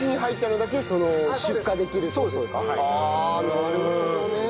なるほどね。